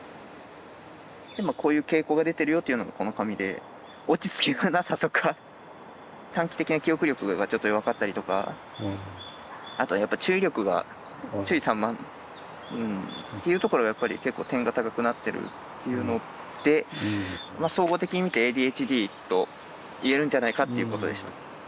今こういう傾向が出てるよっていうのがこの紙で落ち着きのなさとか短期的な記憶力がちょっと弱かったりとかあとはやっぱ注意力が注意散漫っていうところがやっぱり結構点が高くなってるっていうので総合的に見てＡＤＨＤといえるんじゃないかっていうことでした。